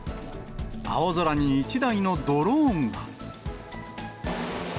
青空に１台のドローンが。